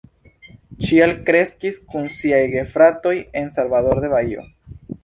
Ŝi alkreskis kun siaj gefratoj en Salvador de Bahio.